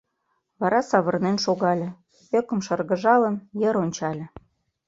Вара савырнен шогале, ӧкым шыргыжалын, йыр ончале.